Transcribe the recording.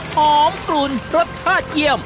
กลุ่นรสชาติเยี่ยม